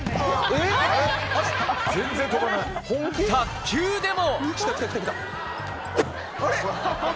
卓球でも。